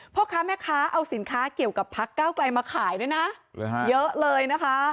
พ่อค้าแม่ค้าเอาสินค้าเกี่ยวกับพักเก้าไกลมาขายด้วยนะเยอะเลยนะคะ